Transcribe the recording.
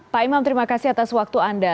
pak imam terima kasih atas waktu anda